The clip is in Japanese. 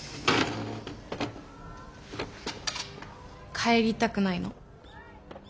帰りたくないの？